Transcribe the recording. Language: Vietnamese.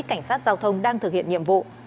cảnh sát giao thông đang thực hiện nhiệm vụ